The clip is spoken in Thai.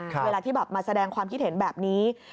เวลาที่แบบมาแสดงความคิดเห็นแบบนี้